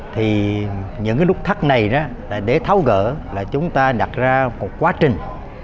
thì những cái nút thắt này đó là để tháo gỡ là chúng ta đặt ra một quá trình